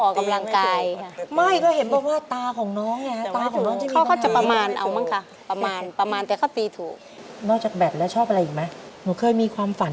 ค่ะก็อยากให้หลานเขาออกกำลังกาย